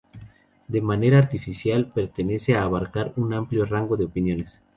De una manera artificial, pretende abarcar un amplio rango de opiniones.